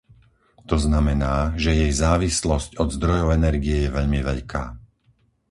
To znamená, že jej závislosť od zdrojov energie je veľmi veľká.